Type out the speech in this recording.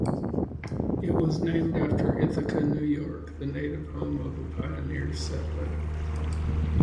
It was named after Ithaca, New York, the native home of a pioneer settler.